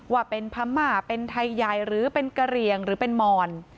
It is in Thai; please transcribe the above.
ว่าเป็นพม่าเป็นไทยใหญ่หรือเป็นกะเหลี่ยงหรือเป็นมอน